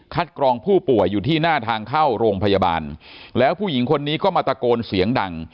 กรองผู้ป่วยอยู่ที่หน้าทางเข้าโรงพยาบาลแล้วผู้หญิงคนนี้ก็มาตะโกนเสียงดัง